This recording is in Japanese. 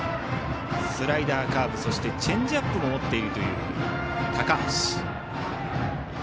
スライダー、カーブチェンジアップも持っているという高橋。